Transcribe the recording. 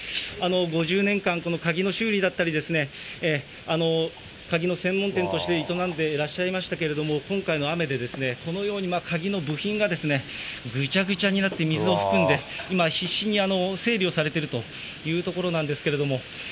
５０年間、この鍵の修理だったり、鍵の専門店として営んでらっしゃいましたけれども、今回の雨でこのように鍵の部品がぐちゃぐちゃになって水を含んで、今、必死に整理をされているところなんですけれども。